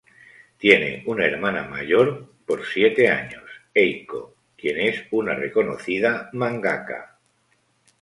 Tiene una hermana mayor por siete años, Eiko, quien es una reconocida mangaka.